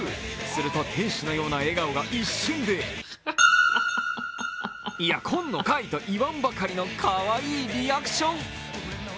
すると天使のような笑顔が一瞬で来んのかい！と言わんばかりのかわいいリアクション。